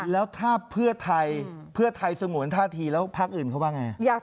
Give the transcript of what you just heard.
แล้วถ้าเพื่อไทยเพื่อไทยสงวนท่าทีแล้วภาคอื่นเขาว่าไง